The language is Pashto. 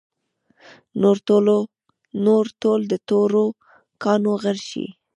نور ټول د تورو کاڼو غر شي.